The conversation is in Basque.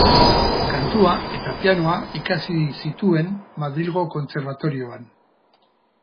Kantua eta pianoa ikasi zituen Madrilgo Kontserbatorioan.